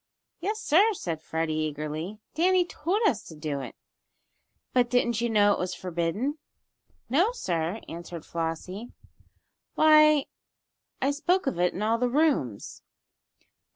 "Yes! sir," said Freddie, eagerly. "Danny told us to do it." "But didn't you know it was forbidden?" "No, sir," answered Flossie. "Why, I spoke of it in all the rooms."